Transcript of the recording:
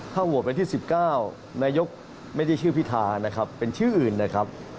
ถ้าโหวตวันที่๑๙นายกไม่ได้ชื่อพิธานะครับเป็นชื่ออื่นนะครับ